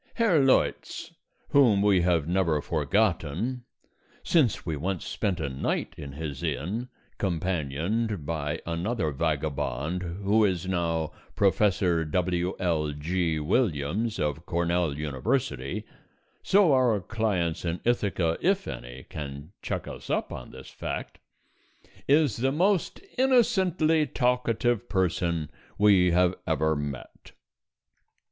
Herr Leutz, whom we have never forgotten (since we once spent a night in his inn, companioned by another vagabond who is now Prof. W.L.G. Williams of Cornell University, so our clients in Ithaca, if any, can check us up on this fact), is the most innocently talkative person we have ever met.